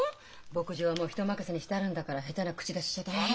牧場はもう人任せにしてあるんだから下手な口出ししちゃ駄目よ。